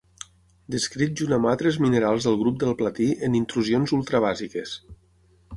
Descrit junt amb altres minerals del grup del platí en intrusions ultrabàsiques.